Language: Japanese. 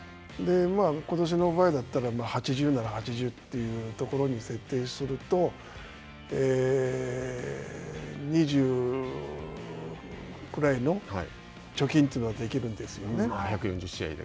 ことしの場合だと、８０なら８０というところに設定すると、２０くらいの貯金というのができるんですよね。